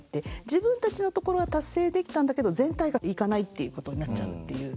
自分たちのところは達成できたんだけど全体がいかないっていうことになっちゃうっていう。